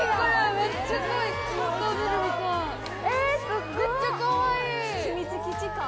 めっちゃかわいい！